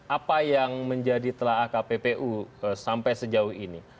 apa yang menjadi telah kppu sampai sejauh ini